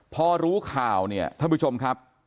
พอรู้ข่าวเนี่ยท่านผู้ชมครับ